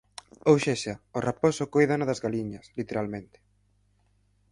Ou sexa, o raposo coidando das galiñas, literalmente.